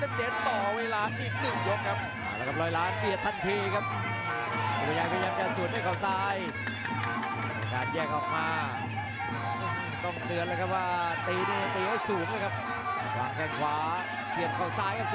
สุภาชัยต้องขยันกว่านี้เลยครับจิ้มซ้ายเอาเลยครับ